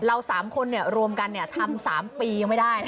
เรา๓คนรวมกันทำ๓ปียังไม่ได้